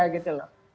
ya ini analogi saja ya